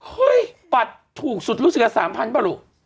เฮ้ยบัตรถูกสุดรู้สึกว่า๓พันธุ์เปล่าหรือ